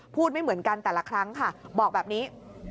ไม่เหมือนกันแต่ละครั้งค่ะบอกแบบนี้